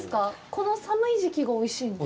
この寒い時期がおいしいんですか。